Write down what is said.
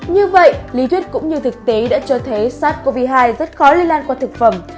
như vậy lý thuyết cũng như thực tế đã cho thấy sars cov hai rất khó lây lan qua thực phẩm